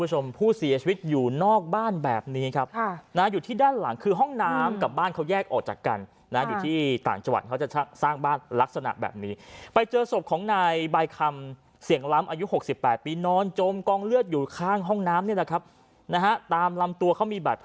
ซึ่งบนบ้านต้องอำเภอเศรษฐกาลที่